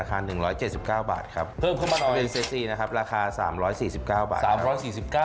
๑๗๙บาทครับเพิ่มเข้ามาเป็นเซฟซีนะครับราคา๓๔๙บาท๓๔๙บาท